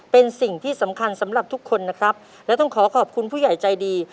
เป็นสิ่งที่สำคัญสำหรับทุกคนนะครับและต้องขอขอบคุณผู้ใหญ่ใจดี